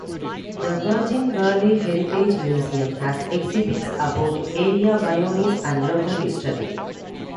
The Virgin Valley Heritage Museum has exhibits about area pioneers and local history.